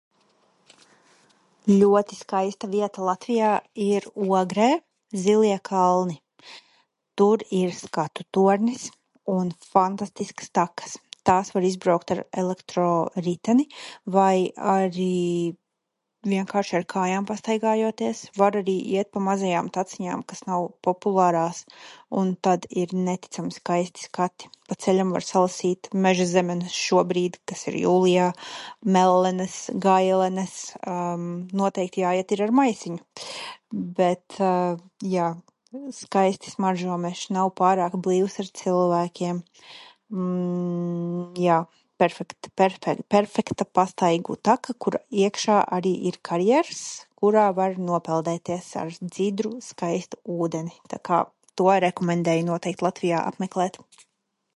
Ļoti skaista vieta Latvijā ir Ogrē, Zilie kalni. Tur ir skatu tornis un fantastiskas takas. Tās var izbraukt ar elektroriteni vai arī vienkārši, ar kājām pastaigājoties. Var arī iet pa mazajām taciņām, kas nav populārās, un tad ir neticami skaisti skati. Pa ceļam var salasīt meža zemenes šobrīd, kas ir jūlijā, mellenes, gailenes. Noteikti jāiet ir ar maisiņu! Bet, jā. Skaisti smaržo mežs, nav pārāk blīvs ar cilvēkiem. Jā, perfekta, perfekta pastaigu taka, kur iekšā arī ir kariers, kurā var nopeldēties, ar dzidru, skaistu ūdeni. Tā kā to rekomendēju noteikti Latvijā apmeklēt.